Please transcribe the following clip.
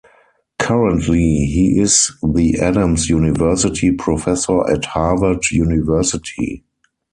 Currently, he is the Adams University Professor at Harvard University.